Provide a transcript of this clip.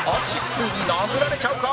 淳ついに殴られちゃうか？